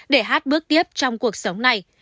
để hát bước tiếp trong cuộc sống này